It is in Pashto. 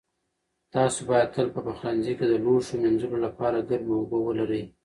تاسو باید تل په پخلنځي کې د لوښو مینځلو لپاره ګرمې اوبه ولرئ.